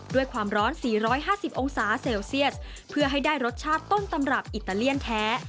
ด้วยความร้อน๔๕๐องศาเซลเซียสเพื่อให้ได้รสชาติต้นตำรับอิตาเลียนแท้